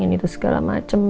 ini itu segala macam